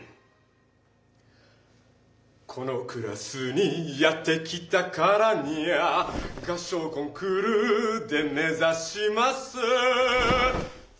「このクラスにやって来たからにゃ」「合しょうコンクールで目ざしますせかい一」